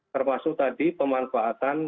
termasuk tadi pemanfaatan one data